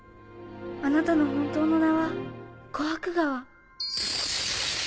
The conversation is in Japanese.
あなたの本当の名はコハク川。